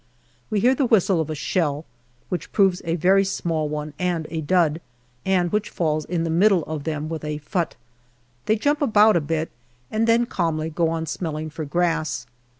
We hear the whistle of a shell, which proves a very small one and a dud, and which falls in the middle of them with a " fut." They jump about a bit, and then calmly go on smelling for grass.